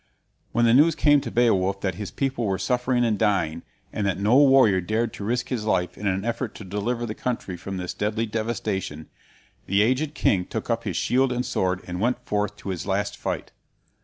When the news came to Beowulf that his people were suffering and dying, and that no warrior dared to risk his life in an effort to deliver the country from this deadly devastation, the aged king took up his shield and sword and went forth to his last fight.